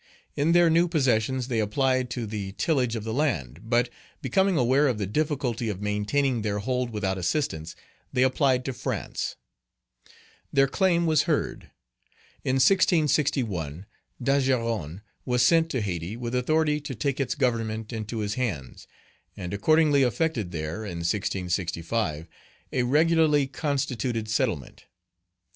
In their new possessions they applied to the tillage of the land; but, becoming aware of the difficulty of maintaining their hold without assistance, they applied to France. Their claim was heard. In 1661, Dageron was sent to Hayti, with authority to take its government into his hands, and accordingly effected there, in 1665, a regularly Page 27 constituted settlement.